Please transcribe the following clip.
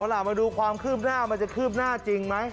เอาล่ะมาดูความคืบหน้ามันจะคืบหน้าจริงไหม